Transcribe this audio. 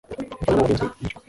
umupfayongo warenzwe ibiryo